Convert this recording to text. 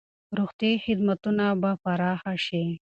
روغتیايي خدمتونه به پراخ شي.